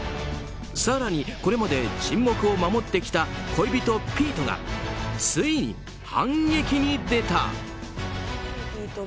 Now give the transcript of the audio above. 更に、これまで沈黙を守ってきた恋人ピートがついに反撃に出た。